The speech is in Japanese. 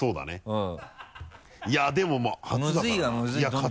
うん。